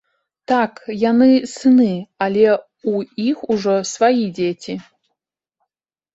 Так, яны сыны, але ў іх ужо свае дзеці.